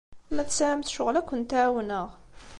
Ma tesɛamt ccɣel, ad kent-ɛawneɣ.